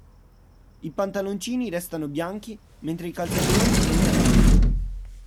I pantaloncini restano bianchi mentre i calzettoni diventano neri.